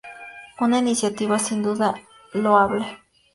Una iniciativa, sin duda, loable.